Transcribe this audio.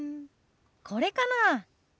これかな。